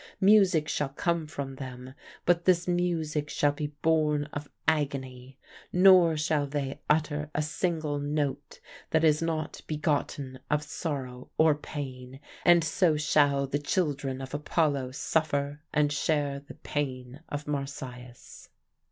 Music shall come from them, but this music shall be born of agony; nor shall they utter a single note that is not begotten of sorrow or pain. And so shall the children of Apollo suffer and share the pain of Marsyas.